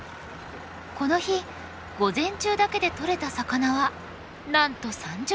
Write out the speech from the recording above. この日午前中だけでとれた魚はなんと３０匹以上！